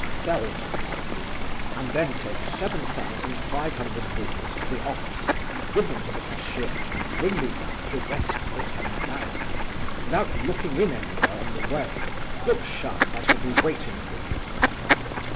'Sell them,' said he, 'and then take seven thousand five hundred roubles to the office, give them to the cashier, and bring me back the rest of the ten thousand, without looking in anywhere on the way; look sharp, I shall be waiting for you.